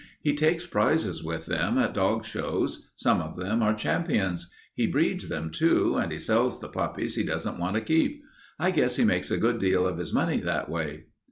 "He takes prizes with them at dog shows. Some of them are champions. He breeds them, too, and he sells the puppies he doesn't want to keep. I guess he makes a good deal of his money that way."